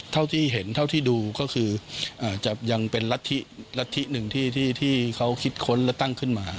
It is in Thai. เท่าที่เห็นเท่าที่ดูก็คือจะยังเป็นรัฐธิหนึ่งที่เขาคิดค้นและตั้งขึ้นมา